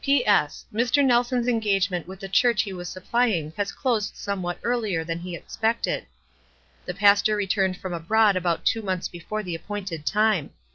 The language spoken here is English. "P. S. Mr. Nelson's engagement with the church he was supplying has closed somewhat earlier than he expected. The pastor returned from abroad about two months before the ap pointed time.